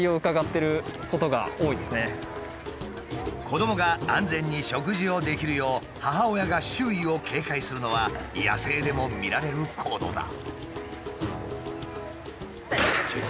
子どもが安全に食事をできるよう母親が周囲を警戒するのは野生でも見られる行動だ。